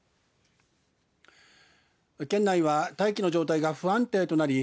県内は大気の状態が不安定となり